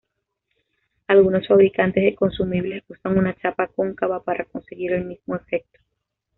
Algunos fabricantes de consumibles usan una chapa cóncava para conseguir el mismo efecto.